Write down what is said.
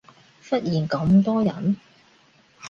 忽然咁多人